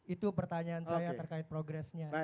itu pertanyaan saya terkait progresnya